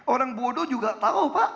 orang bodoh juga tahu pak